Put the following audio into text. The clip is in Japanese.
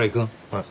はい。